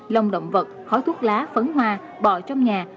lồng động vật khói thuốc lá phấn hoa bò trong nhà